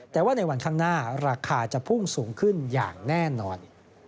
แต่ว่าในวันข้างหน้าราคาจะพุ่งสูงขึ้นอย่างแน่นอน